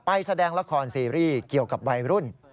แสดงละครซีรีส์เกี่ยวกับวัยรุ่น